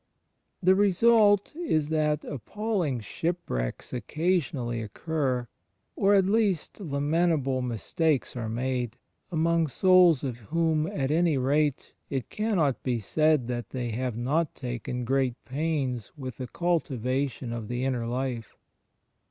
The restdt is that appalling shipwrecks occasionally occur — or at least lamentable mistakes are made — among souls of whom at any rate it cannot be said that they have not taken great pains with the cultivation of the inner life.